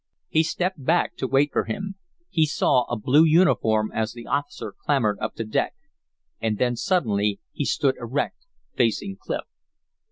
He stepped back to wait for him. He saw a blue uniform as the officer clambered up to the deck. And then suddenly he stood erect, facing Clif.